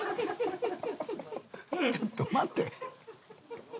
ちょっと待て。